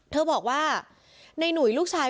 เธอบอกว่าในหนุ่ยลูกชาย